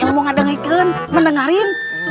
ilmu ga dengerin mendengarin